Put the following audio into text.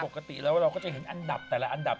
ปกติแล้วเราก็จะเห็นอันดับแต่ละอันดับ